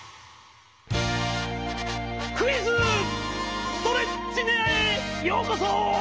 クイズ・ストレッチネアへようこそ！